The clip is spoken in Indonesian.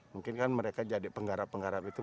mungkin kan mereka jadi penggarap penggarap itu